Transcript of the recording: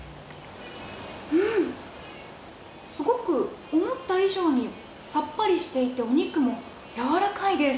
すごく思った以上にさっぱりしていてお肉もやわらかいです。